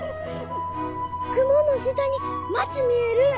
雲の下に町見える！